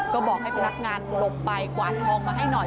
ก็บอกให้พนักงานหลบไปกวาดทองมาให้หน่อย